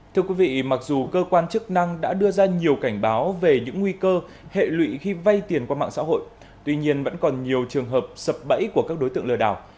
thưa quý vị mặc dù cơ quan chức năng đã đưa ra nhiều cảnh báo về những nguy cơ hệ lụy khi vay tiền qua mạng xã hội tuy nhiên vẫn còn nhiều trường hợp sập bẫy của các đối tượng lừa đảo